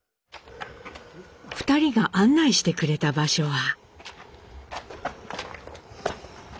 ２人が案内してくれた場所は。